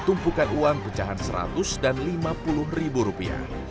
mimpukan uang pecahan satu ratus lima puluh ribu rupiah